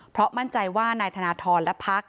เพราะมั่นใจว่านายธนทรและพัก